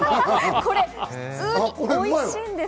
これ、普通においしいんです。